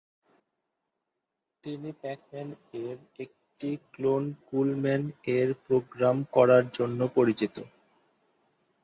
তিনি Pac Man এর একটি ক্লোন কুল ম্যান এর প্রোগ্রাম করার জন্য পরিচিত।